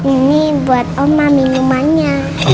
ini buat om mamin umannya